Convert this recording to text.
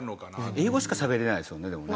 英語しかしゃべれないですよねでもね。